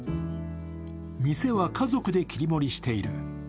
店は家族で切り盛りしている。